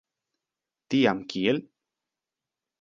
Tiam kiel?